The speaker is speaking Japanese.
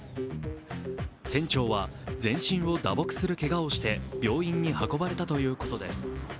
店長は全身を打撲するけがをして病院に運ばれたということです。